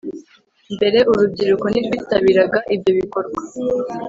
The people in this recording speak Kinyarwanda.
mbere urubyiruko ntirwitabiraga ibyo bikorwa